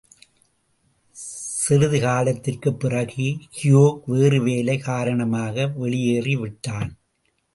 சிறிது காலத்திற்குப் பிறகு கியோக் வேறு வேலை காரணமாக வெளியேறிவிட்டான்.